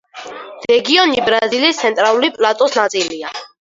რეგიონი ბრაზილიის ცენტრალური პლატოს ნაწილია.